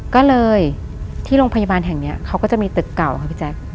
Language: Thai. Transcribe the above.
ก็เลยที่โรงพยาบาลแห่งนี้เขาก็จะมีตึกเก่าค่ะพี่แจ๊ค